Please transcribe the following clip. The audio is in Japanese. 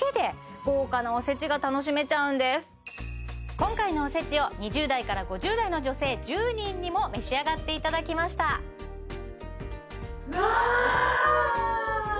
今回のおせちを２０代から５０代の女性１０人にも召し上がっていただきました・うわ！